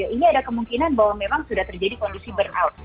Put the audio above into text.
ini ada kemungkinan bahwa memang sudah terjadi kondisi burnout